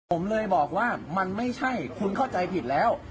ผมเลยบอกว่ามันไม่ใช่คุณเข้าใจผิดแล้ว